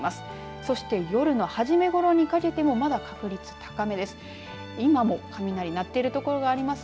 そして、夜の初めごろにかけてもまだ確率、高めです。